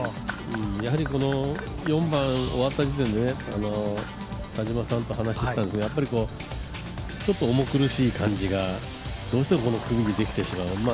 この４番終わった時点で田島さんと話、したんですがやっぱり重苦しい感じがどうしてもこの組にできてしまう。